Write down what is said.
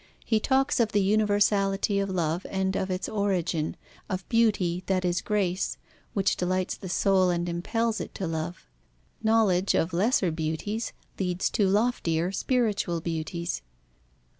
He talks of the universality of love and of its origin, of beauty that is grace, which delights the soul and impels it to love. Knowledge of lesser beauties leads to loftier spiritual beauties.